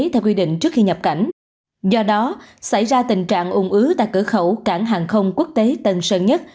theo quy định trước khi nhập cảnh do đó xảy ra tình trạng ung ứ tại cửa khẩu cảng hàng không quốc tế tân sơn nhất